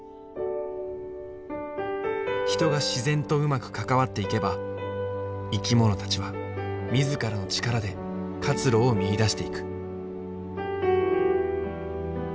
人が自然とうまく関わっていけば生き物たちは自らの力で活路を見いだしていく。